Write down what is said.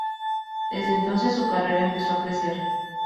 Desde entonces, su carrera empezó a crecer.